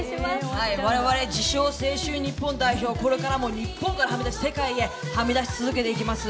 我々、自称・青春日本代表、これからも日本をはみ出して世界にはみ出し続けていきます。